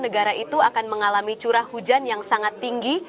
negara itu akan mengalami curah hujan yang sangat tinggi